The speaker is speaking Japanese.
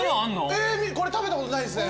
これ食べたことないですね。